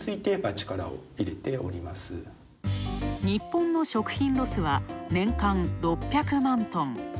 日本の食品ロスは、年間６００万トン。